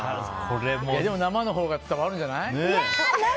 でも生のほうが伝わるんじゃない？